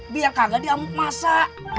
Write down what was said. biar kagak diamuk masa